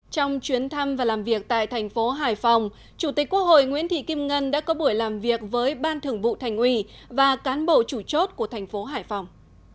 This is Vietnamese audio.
trong chuyến thăm và làm việc tại thành phố hải phòng chủ tịch quốc hội nguyễn thị kim ngân đã có buổi làm việc với ban thường vụ thành ủy và cán bộ chủ chốt của thành phố hải phòng